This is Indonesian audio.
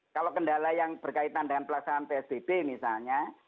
kalau kendala yang berkaitan dengan pelaksanaan psbb misalnya